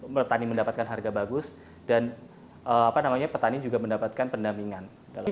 petani mendapatkan harga bagus dan petani juga mendapatkan pendampingan